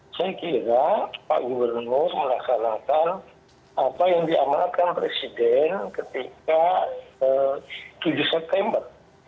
saya kira pak gubernur melaksanakan apa yang diamanatkan presiden ketika tujuh september